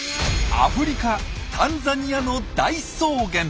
アフリカタンザニアの大草原。